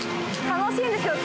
楽しいんですけど。